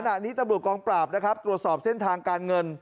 ขณะนี้ตำรวจกองปราบนะครับตรวจสอบเส้นทางการเงิน